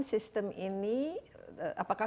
sistem ini apakah